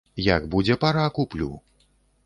Як будзе пара, куплю.